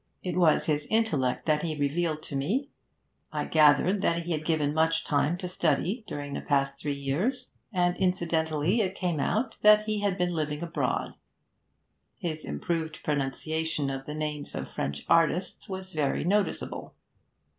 It was his intellect that he revealed to me. I gathered that he had given much time to study during the past three years, and incidentally it came out that he had been living abroad; his improved pronunciation of the names of French artists was very noticeable.